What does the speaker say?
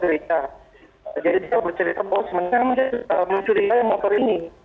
jadi saya bercerita oh sebenarnya mencurigai motor ini